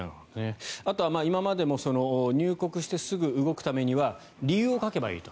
あとは今までも入国してすぐ動くためには理由を書けばいいと。